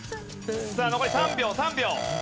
さあ残り３秒３秒。